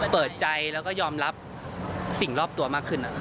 เปิดใจแล้วก็ยอมรับสิ่งรอบตัวมากขึ้น